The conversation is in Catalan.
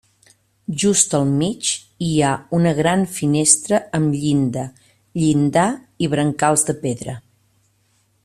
Just al mig, hi ha una gran finestra amb llinda, llindar i brancals de pedra.